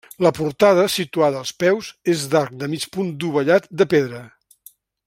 La portada, situada als peus, és d'arc de mig punt dovellat, de pedra.